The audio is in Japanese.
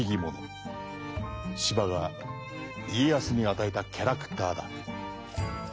司馬が家康に与えたキャラクターだ。